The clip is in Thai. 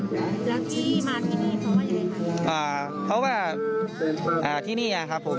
แล้วที่มาที่นี่เขาว่ายังไงคะอ่าเพราะว่าอ่าที่นี่อ่ะครับผม